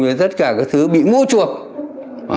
với tất cả các thứ bị mũ chuộc